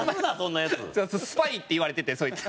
「スパイ」って言われててそいつ。